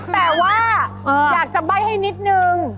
แต่ว่าอยากจะใบ้ให้นิดนึง